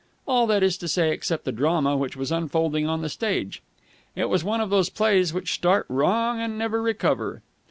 All, that is to say, except the drama which was unfolding on the stage. It was one of those plays which start wrong and never recover.